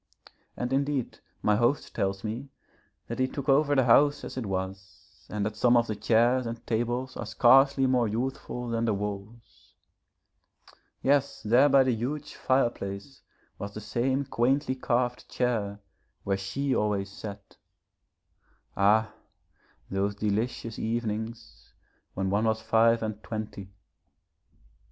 And indeed my host tells me that he took over the house as it was, and that some of the chairs and tables are scarcely more youthful than the walls. Yes, there by the huge fireplace was the same quaintly carved chair where she always sat. Ah, those delicious evenings when one was five and twenty.